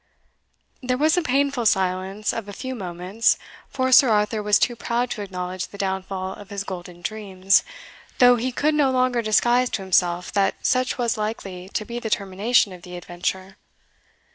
There was a painful silence of a few moments, for Sir Arthur was too proud to acknowledge the downfall of his golden dreams, though he could no longer disguise to himself that such was likely to be the termination of the adventure.